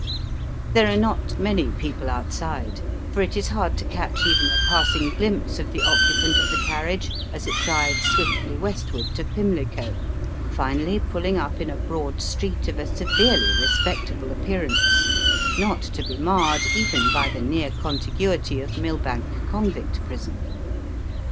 There are not many people outside, for it is hard to catch even a passing glimpse of the occupant of the carriage as it drives swiftly westward to Pimlico, finally pulling up in a broad street of a severely respectable appearance, not to be marred even by the near contiguity of Millbank convict prison.